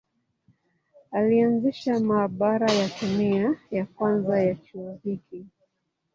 Alianzisha maabara ya kemia ya kwanza ya chuo hiki.